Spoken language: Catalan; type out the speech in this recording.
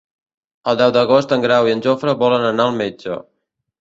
El deu d'agost en Grau i en Jofre volen anar al metge.